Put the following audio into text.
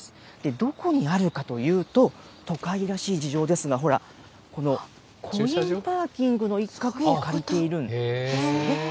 どこにあるかというと、都会らしい事情ですが、ほら、このコインパーキングの一角を借りているんですね。